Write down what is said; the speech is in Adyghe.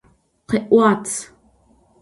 Khe'uat!